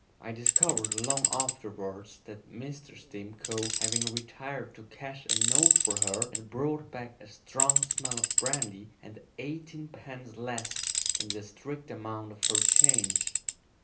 I discovered long afterwards that Mr. Stimcoe, having retired to cash a note for her, had brought back a strong smell of brandy and eighteen pence less than the strict amount of her change.